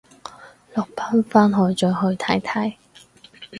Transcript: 落班翻去再去睇睇